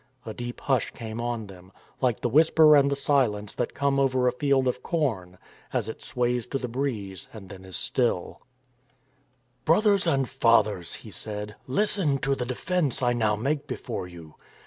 A deep hush came on them, like the whisper and the silence that come over a field of corn as it sways to the breeze and then is still, 294 STORM AND STRESS " Brothers and fathers," he said, " listen to the defence I now make before you."